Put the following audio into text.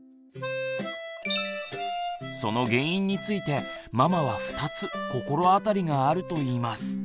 その原因についてママは２つ心当たりがあるといいます。